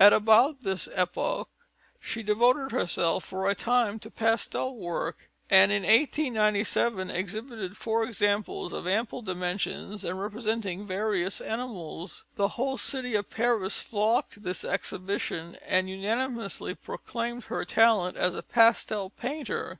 At about this epoch, she devoted herself for a time to pastel work, and in 1897 exhibited four examples of ample dimensions and representing various animals. The whole city of Paris flocked to this exhibition and unanimously proclaimed her talent as a pastel painter.